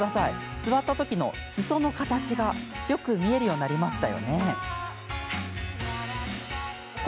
座ったときのすその形がよく見えるようになりました。